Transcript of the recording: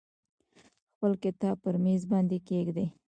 خپل کتاب پر میز باندې کیږدئ.